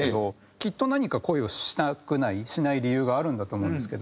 きっと何か恋をしたくないしない理由があるんだと思うんですけど。